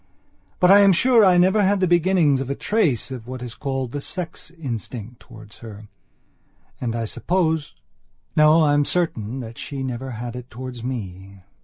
But I am sure I never had the beginnings of a trace of what is called the sex instinct towards her. And I supposeno I am certain that she never had it towards me.